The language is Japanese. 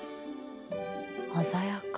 鮮やか。